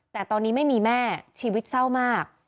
แต่ตอนนี้ไม่มีแม่ชีวิตเศร้ามาก